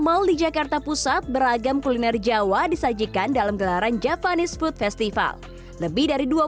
mal di jakarta pusat beragam kuliner jawa disajikan dalam gelaran javanese food festival lebih dari dua puluh